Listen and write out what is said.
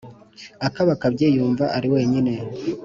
" akabakabye yumva ari wenyine,